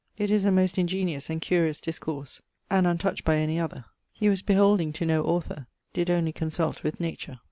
It is a most ingeniose and curious discourse, and untouched by any other; he was beholding to no author; did only consult with nature.